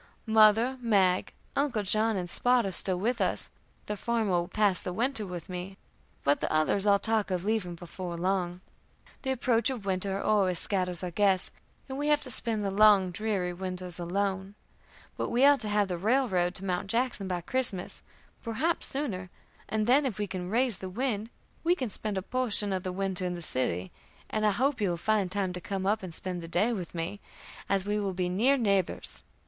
Mother, Mag, Uncle John, and Spot are still with us; the former will pass the winter with me, but the others all talk of leaving before long. The approach of winter always scatters our guests, and we have to spend the long, dreary winters alone. But we are to have the railroad to Mt. Jackson by Christmas, perhaps sooner; and then, if we can raise the wind, we can spend a portion of the winter in the city, and I hope you will find time to come up and spend the day with me, as we will be near neighbors.